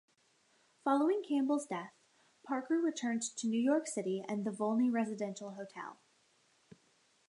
Following Campbell's death, Parker returned to New York City and the Volney residential hotel.